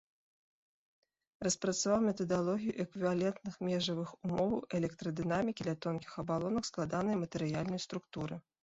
Распрацаваў метадалогію эквівалентных межавых умоваў электрадынамікі для тонкіх абалонак складанай матэрыяльнай структуры.